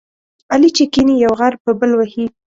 علي چې کېني، یو غر په بل وهي.